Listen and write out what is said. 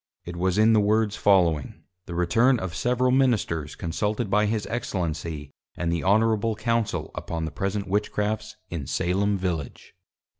It was in the Words following: The Return of several Ministers consulted by his Excellency, and the Honourable Council, upon the present Witchcrafts in Salem Village.